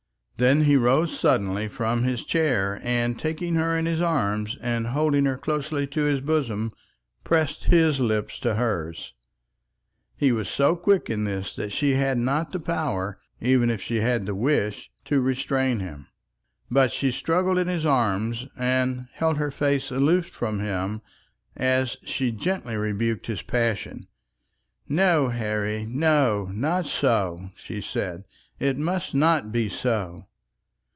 Then he rose suddenly from his chair, and taking her in his arms, and holding her closely to his bosom, pressed his lips to hers. He was so quick in this that she had not the power, even if she had the wish, to restrain him. But she struggled in his arms, and held her face aloof from him as she gently rebuked his passion. "No, Harry, no; not so," she said, "it must not be so."